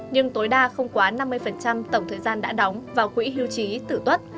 nhưng tối đa không quá năm mươi tổng thời gian đã đóng vào quỹ hưu trí tử tuất